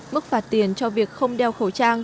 mức phạt tiền cho việc không đeo khẩu trang